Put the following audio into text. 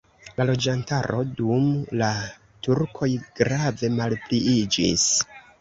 La loĝantaro dum la turkoj grave malpliiĝis.